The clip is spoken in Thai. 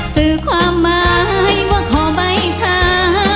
สื่อความหมายว่าขอใบช้า